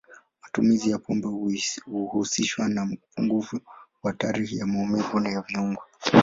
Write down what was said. Matumizi ya pombe huhusishwa na upungufu wa hatari ya maumivu ya viungo.